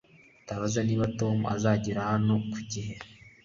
Ndabaza niba Tom azagera hano ku gihe